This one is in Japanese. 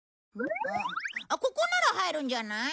ここなら入るんじゃない？